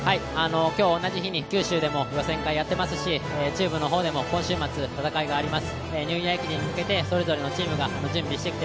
今日、同じに地に九州でも予選会やってますし中部でも今週末戦いがあります。